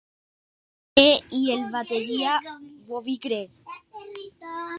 Lee y el batería Bobby Gregg.